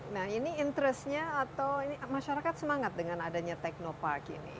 nah ini interestnya atau ini masyarakat semangat dengan adanya teknopark ini